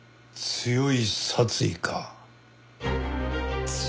「強い殺意」？